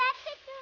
ya satu dua